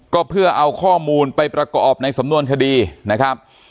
ก็เพื่อเอาข้อมูลไปประกอบในสำนวนคดีนะครับ